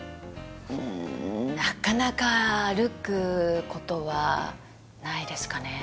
うんなかなか歩くことはないですかね